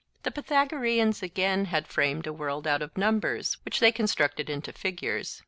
The Pythagoreans again had framed a world out of numbers, which they constructed into figures.